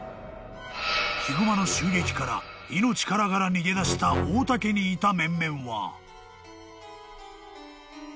［ヒグマの襲撃から命からがら逃げ出した太田家にいた面々は］